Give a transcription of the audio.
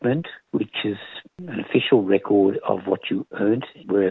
yang merupakan rekoran ofisial yang anda dapat di mana mana anda berada